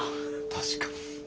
確かに。